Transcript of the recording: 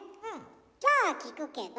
じゃあ聞くけど。